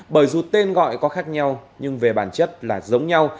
bởi dù tên gọi có khác nhau nhưng về bản chất là giống nhau